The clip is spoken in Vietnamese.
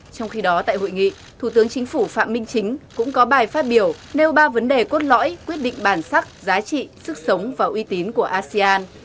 trong khi đó tại hội nghị thủ tướng chính phủ phạm minh chính cũng có bài phát biểu nêu ba vấn đề cốt lõi quyết định bản sắc giá trị sức sống và uy tín của asean